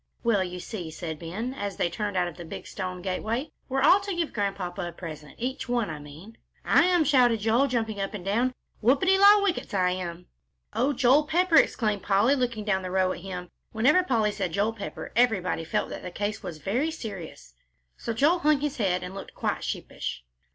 "Well, you see," said Ben, as they turned out of the big stone gateway, "we are all to give Grandpapa a present, each one, I mean." "I am," shouted Joel, jumping up and down, "Whoopity la, whickets, I am!" "Oh, Joel Pepper!" exclaimed Polly, looking down the row at him. Whenever Polly said "Joel Pepper," everybody felt that the case was very serious. So Joel hung his head and looked quite sheepish.